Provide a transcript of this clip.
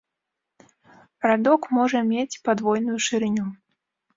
Радок можа мець падвойную шырыню.